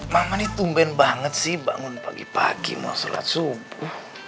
mama ini tumben banget sih bangun pagi pagi mau sholat subuh